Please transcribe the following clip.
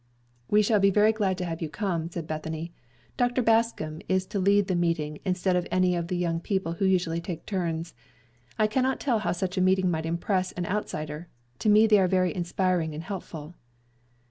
"We shall be very glad to have you come," said Bethany. "Dr. Bascom is to lead the meeting instead of any of the young people, who usually take turns. I can not tell how such a meeting might impress an outsider; to me they are very inspiring and helpful."